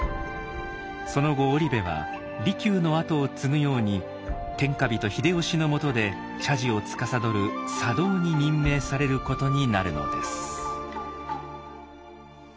その後織部は利休のあとを継ぐように天下人秀吉のもとで茶事をつかさどる茶頭に任命されることになるのです。